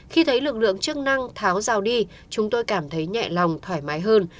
khi thấy lực lượng chức năng tháo rào đi chúng tôi cảm thấy nhẹ lòng thoải mái hơn